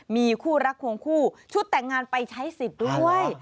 มีคู่รักควงคู่ชุดแต่งงานไปใช้สิทธิ์ด้วย